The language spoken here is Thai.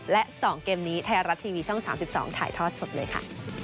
และสองเกมนี้ไทยรัตน์ทีวีช่องสามสิบสองถ่ายทอดสดเลยค่ะ